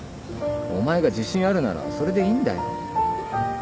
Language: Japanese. お前が自信あるならそれでいいんだよ。